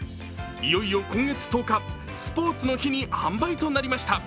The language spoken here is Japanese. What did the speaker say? いよいよ今月１０日、スポーツの日に販売となりました。